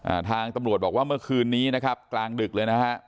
ทางตำรวจบอกว่าเมื่อคืนนี้นะครับกลางดึกเลยนะฮะ